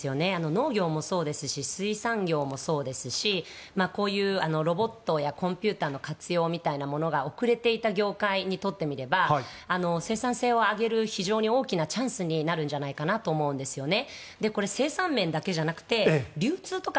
農業もそうですし水産業もそうですしこういうロボットやコンピューターの活用みたいなものが遅れていた業界にとってみれば生産性を上げる非常に大きなチャンスになるんじゃないかと思うんですよね。